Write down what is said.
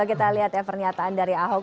kita lihat ya pernyataan dari ahok